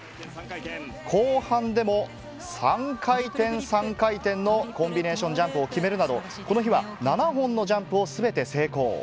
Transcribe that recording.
後半でも３回転３回転のコンビネーションジャンプを決めるなど、この日は７本のジャンプをすべて成功。